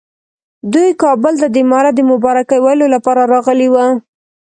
دوی کابل ته د امارت د مبارکۍ ویلو لپاره راغلي وو.